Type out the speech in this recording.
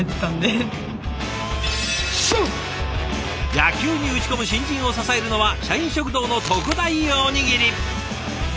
野球に打ち込む新人を支えるのは社員食堂の特大おにぎり！